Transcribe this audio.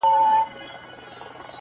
د امیدونو ساحل؛